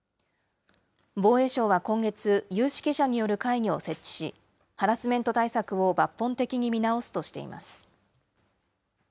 防衛省は今月、有識者による会議を設置し、ハラスメント対策を抜本的に見直すとしています。